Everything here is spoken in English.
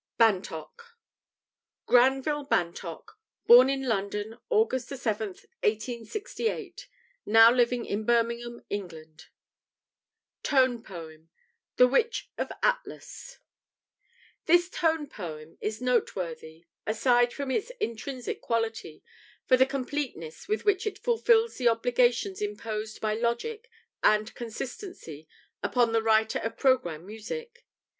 BANTOCK (Granville Bantock: born in London, August 7, 1868; now living in Birmingham, England) TONE POEM, "THE WITCH OF ATLAS" This tone poem is noteworthy, aside from its intrinsic quality, for the completeness with which it fulfils the obligations imposed by logic and consistency upon the writer of programme music.